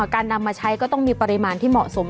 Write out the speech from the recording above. การนำมาใช้ก็ต้องมีปริมาณที่เหมาะสม